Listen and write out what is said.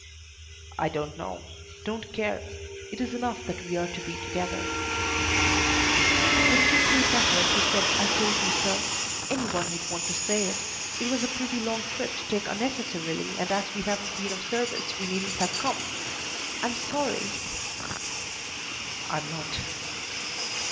"I don't know. Don't care. It is enough that we are to be together." "Wouldn't you feel better if you said 'I told you so'? Any one would want to say it. It was a pretty long trip to take unnecessarily, and as we haven't been of service we needn't have come. I'm sorry " "I'm not."